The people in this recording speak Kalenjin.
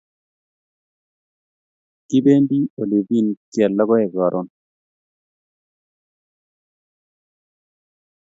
kipendi olivein keyal lokoek karun